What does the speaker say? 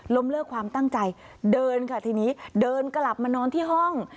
เลิกความตั้งใจเดินค่ะทีนี้เดินกลับมานอนที่ห้อง